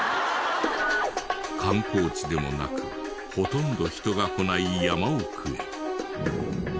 観光地でもなくほとんど人が来ない山奥へ。